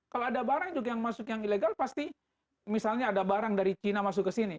kalau ada barang juga yang masuk yang ilegal pasti misalnya ada barang dari cina masuk ke sini